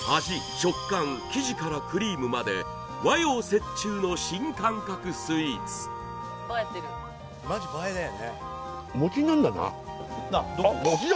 食感生地からクリームまで和洋折衷の映えてるマジ映えだよね